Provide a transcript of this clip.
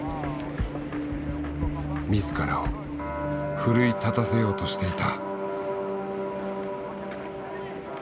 自らを奮い立たせようとしていた。